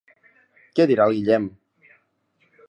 Què dirà el Guillem?